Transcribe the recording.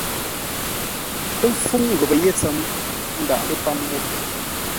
Ə́ fúŋ ghəpə́ yé ntsəm, ə́ ńdáʼ lə́ páp ńgó.